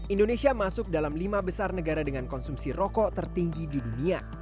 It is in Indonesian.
indonesia masuk dalam lima besar negara dengan konsumsi rokok tertinggi di dunia